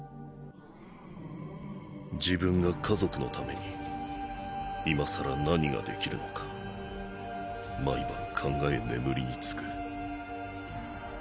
自分が家族の為に今更何が出来るのか毎晩考え眠りに就く。